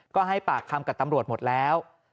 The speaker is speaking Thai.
ก็ให้ปากคำกับตำรวจหมดแล้ว